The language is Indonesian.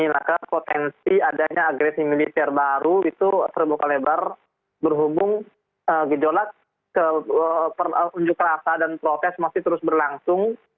maka potensi adanya agresi militer baru itu seribu kali lebar berhubung gejolak ke penjuh kerasa dan protes masih terus berlangsung